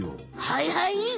はいはい！